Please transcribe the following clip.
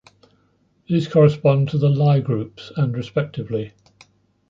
These correspond to the Lie groups and respectively.